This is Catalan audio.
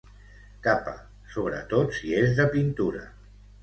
Capa, sobretot si és de pintura.